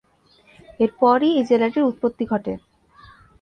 এরপরই এ জেলাটির উৎপত্তি ঘটে।